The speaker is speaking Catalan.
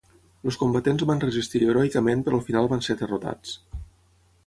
Els combatents van resistir heroicament però al final van ser derrotats.